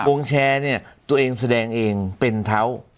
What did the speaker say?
แชร์เนี่ยตัวเองแสดงเองเป็นเท้า